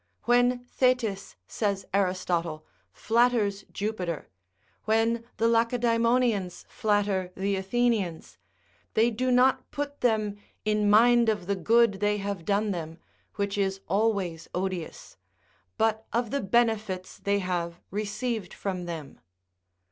When Thetis, says Aristotle, flatters Jupiter, when the Lacedaemonians flatter the Athenians, they do not put them in mind of the good they have done them, which is always odious, but of the benefits they have received from them.